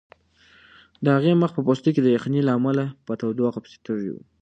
د هغې د مخ پوستکی د یخنۍ له امله په تودوخه پسې تږی و.